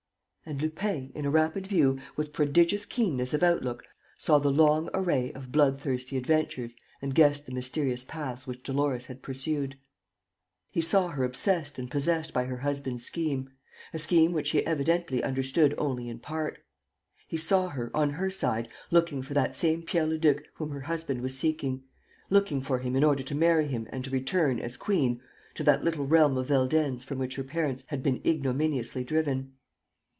And Lupin, in a rapid view, with prodigious keenness of outlook, saw the long array of bloodthirsty adventures and guessed the mysterious paths which Dolores had pursued. He saw her obsessed and possessed by her husband's scheme, a scheme which she evidently understood only in part. He saw her, on her side, looking for that same Pierre Leduc whom her husband was seeking, looking for him in order to marry him and to return, as queen, to that little realm of Veldenz from which her parents had been ignominiously driven.